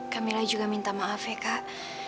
kak mila juga minta maaf ya kak